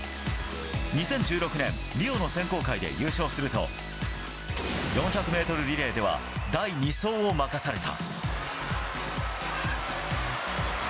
２０１６年リオの選考会で優勝すると４００ｍリレーでは第２走を任された。